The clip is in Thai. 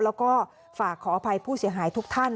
แล้วก็ฝากขออภัยผู้เสียหายทุกท่าน